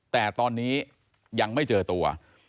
แต่ตอนนี้ยังไม่เจอตัว